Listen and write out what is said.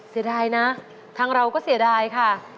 เสียดายนะทางเราก็เสียดายค่ะ